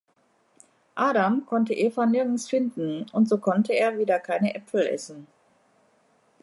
Adam konnte Eva nirgends finden und so konnte er wieder keine Äpfel essen.